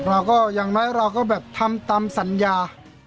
อย่างน้อยเราก็แบบทำตามสัญญา